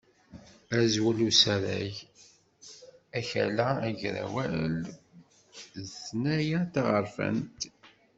Azwel usarag: Akala agrawal d tnaya taɣerfant.